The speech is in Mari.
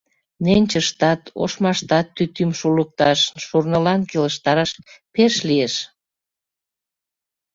Ненчыштат, ошмаштат тӱтӱм шулыкташ, шурнылан келыштараш пеш лиеш.